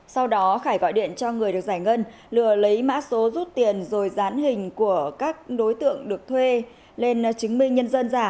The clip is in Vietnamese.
sau đó khải gọi điện cho người được giải ngân lừa lấy mã số rút tiền rồi dán hình của các đối tượng được thuê lên chứng minh nhân dân giả